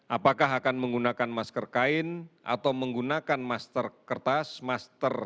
apakah akan menggunakan masker kain atau menggunakan masker kertas masker